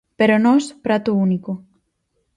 Pero nós prato único.